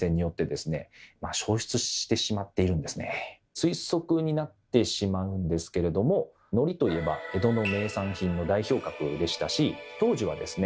推測になってしまうんですけれどものりといえば江戸の名産品の代表格でしたし当時はですね